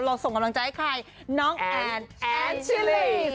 เราส่งกำลังใจให้ใคร